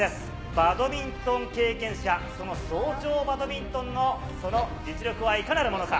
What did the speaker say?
バドミントン経験者、その早朝バドミントンのその実力はいかなるものか。